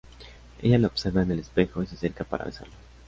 Ella lo observa en el espejo y se acerca para besarlo.